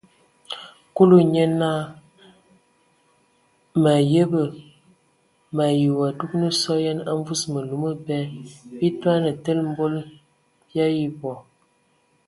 Kulu nye naa : mǝ ayəbǝ! mǝ ayi wa dugan sɔ yen a mvus mǝlu mǝbɛ, bii toane tele mbol bii ayi bɔ.